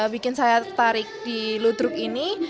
bikin saya tertarik di ludruk ini